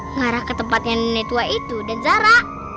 ngarah ke tempat yang tua itu dan zara